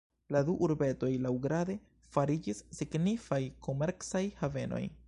La du urbetoj laŭgrade fariĝis signifaj komercaj havenoj.